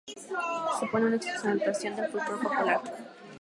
Supone una exaltación del folclore popular.